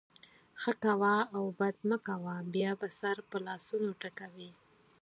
ښه کوه او بد مه کوه؛ بیا به سر په لاسونو ټکوې.